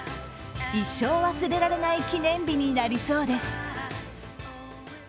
一生忘れられない記念日になりそうです。